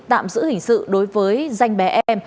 tạm giữ hình sự đối với danh bé em